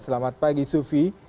selamat pagi sufi